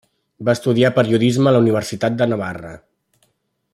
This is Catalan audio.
Va estudiar periodisme a la Universitat de Navarra.